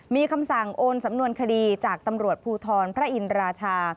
มีคำสั่งโอนสำนวนคดีจากตำรวจภูทรพระอินราชา